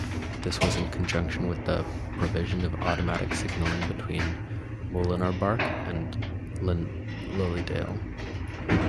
This was in conjunction with the provision of Automatic Signalling between Mooroolbark and Lilydale.